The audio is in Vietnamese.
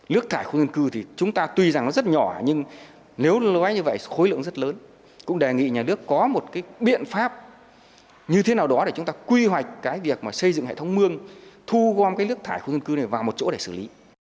lước thải khu dân cư thì chúng ta tuy rằng nó rất nhỏ nhưng nếu nói như vậy khối lượng rất lớn cũng đề nghị nhà nước có một cái biện pháp như thế nào đó để chúng ta quy hoạch cái việc mà xây dựng hệ thống mương thu gom cái lước thải khu dân cư này vào một chỗ để xử lý